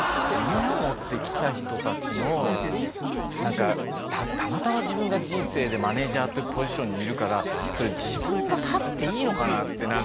夢を持ってきた人たちのたまたま自分が人生でマネジャーというポジションにいるからそれ自分が絶っていいのかなって。